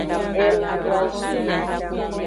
Elan doazin.